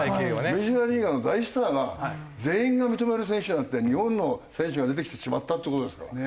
メジャーリーガーの大スターが全員が認める選手じゃなくて日本の選手が出てきてしまったっていう事ですから。